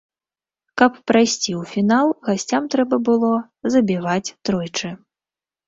Каб прайсці ў фінал, гасцям трэба было забіваць тройчы.